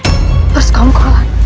memang ada persekongkolan di dalamnya